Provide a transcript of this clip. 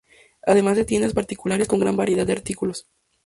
Además de tiendas particulares con gran variedad de artículos.